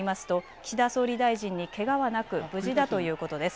岸田総理大臣にけがはなく無事だということです。